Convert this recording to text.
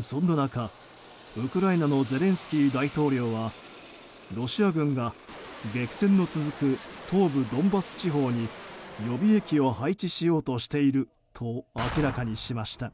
そんな中、ウクライナのゼレンスキー大統領はロシア軍が激戦の続く東部ドンバス地方に予備役を配置しようとしていると明らかにしました。